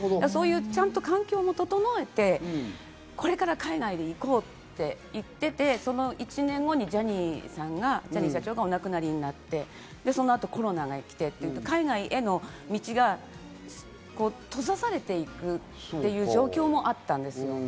ちゃんと環境も整えてこれから海外に行こうって言っていて、その１年後にジャニー社長がお亡くなりになって、その後にコロナが来て海外への道が閉ざされていくっていう状況もあったんですよね。